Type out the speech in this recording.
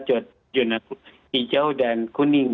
jurnas hijau dan kuning